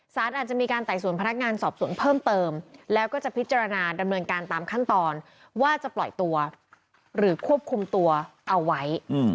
สารอาจจะมีการไต่สวนพนักงานสอบสวนเพิ่มเติมแล้วก็จะพิจารณาดำเนินการตามขั้นตอนว่าจะปล่อยตัวหรือควบคุมตัวเอาไว้